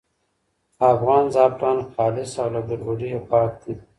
افغان زعفران خالص او له ګډوډۍ پاک دي.